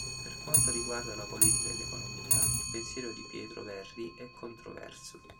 Per quanto riguarda la politica e l'economia, il pensiero di Pietro Verri è controverso.